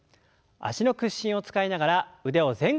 脚の屈伸を使いながら腕を前後に振ります。